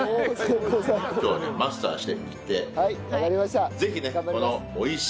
今日はねマスターしていって。